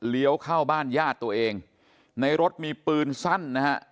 เข้าบ้านญาติตัวเองในรถมีปืนสั้นนะฮะ